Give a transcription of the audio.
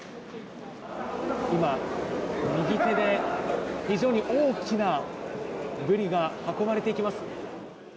今、右手で非常に大きなブリが運ばれていきます。